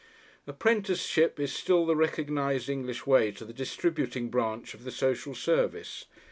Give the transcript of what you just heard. Apprenticeship is still the recognised English way to the distributing branch of the social service.